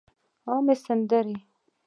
عامې سندرې